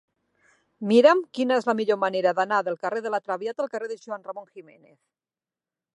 Mira'm quina és la millor manera d'anar del carrer de La Traviata al carrer de Juan Ramón Jiménez.